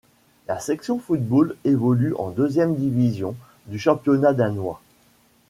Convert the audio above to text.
La section football évolue en deuxième division du championnat danois.